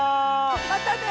またね！